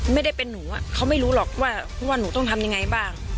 ไม่ได้เป็นหนูเขาไม่รู้หรอกว่าหนูต้องทำยังไงบ้าง